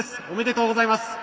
おめでとうございます。